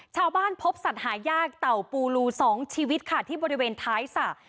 ชาวบ้านพบสัตว์หายากเต่าปูรูสองชีวิตค่ะที่บริเวณท้ายศาสตร์